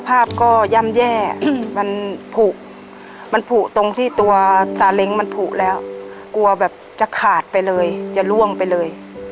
ภาพก็ย่ำแย่มันผูกมันผูกตรงที่ตัวซาเล้งมันผูกแล้วกลัวแบบจะขาดไปเลยจะล่วงไปเลย